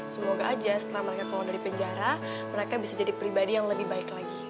semoga aja setelah mereka keluar dari penjara mereka bisa jadi pribadi yang lebih baik lagi